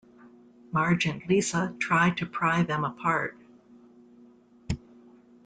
Marge and Lisa try to pry them apart.